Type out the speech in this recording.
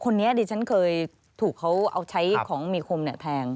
คนนี้ดิฉันเคยถูกเขาเอาใช้ของมีคมแทง